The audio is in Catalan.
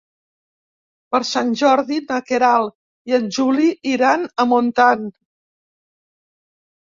Per Sant Jordi na Queralt i en Juli iran a Montant.